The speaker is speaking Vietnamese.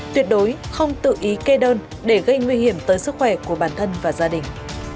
tuyệt đối không tự ý kê đơn để gây nguy hiểm tới sức khỏe của bản thân và gia đình